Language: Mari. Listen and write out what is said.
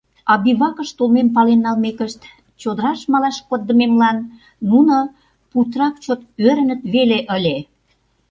А бивакыш толмем пален налмекышт, чодыраш малаш коддымемлан нуно путырак чот ӧрыныт веле ыле.